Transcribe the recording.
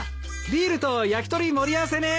ビールと焼き鳥盛り合わせね。